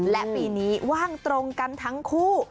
และปีนี้ว่างตรงกันทั้งคู่